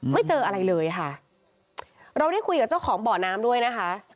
ไม่เจออะไรเลยค่ะเราได้คุยกับเจ้าของบ่อน้ำด้วยนะคะ